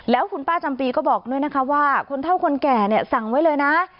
แล้วคุณป้าจำปีก็บอกด้วยนะคะว่าคนเท่าคนแก่เนี่ยสั่งไว้เลยนะ